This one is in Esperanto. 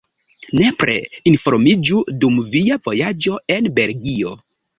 Nepre informiĝu dum via vojaĝo en Belgio!